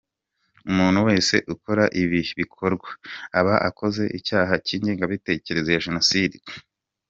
Umuntu wese, ukora ibi bikorwa, aba akoze icyaha cy’ingengabitekerezo ya jenoside.